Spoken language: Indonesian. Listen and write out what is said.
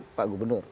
lalu pak gubernur